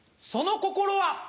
その心は。